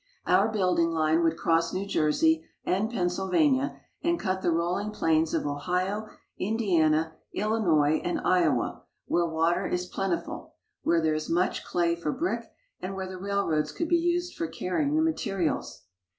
Our building line would cross New Jersey and Pennsylvania and cut the rolling plains of Ohio, Indiana, Illinois, and Iowa, where water is plentiful, where there is much clay for brick and where the railroads could be used for carrying the materials.